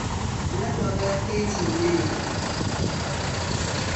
Ffenna twagala keeki ennene.